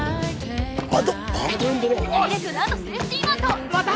楡くん何とセーフティーバントまた？